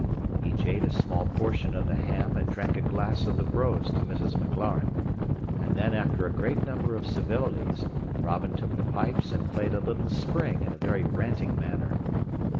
Each ate a small portion of the ham and drank a glass of the brose to Mrs. Maclaren; and then after a great number of civilities, Robin took the pipes and played a little spring in a very ranting manner.